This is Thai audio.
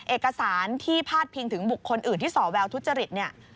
เอกสารที่พาดพิงถึงบุคคลอื่นที่สอแววทุจริตเนี่ย